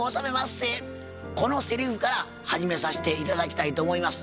このセリフから始めさせて頂きたいと思います。